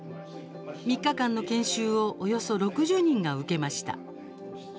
３日間の研修をおよそ６０人が受けました。